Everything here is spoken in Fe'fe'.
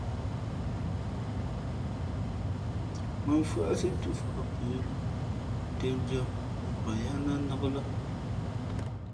Mά mfʉ́άʼsí túmfα̌ʼ plǔ těʼndʉ́ά mvak yáá ná nnák lά.